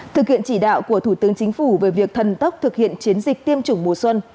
thực hiện chỉ đạo của thủ tướng chính phủ về việc thần tốc thực hiện chiến dịch tiêm chủng mùa xuân